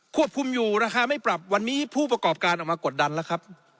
ควบคุมอยู่ราคาไม่ปรับวันนี้ผู้ประกอบการออกมากดดันแล้วครับ